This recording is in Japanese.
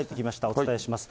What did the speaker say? お伝えします。